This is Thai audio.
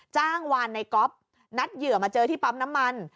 จ้างวานในก๊อฟนัดเหยื่อมาเจอที่ปั๊มน้ำมัน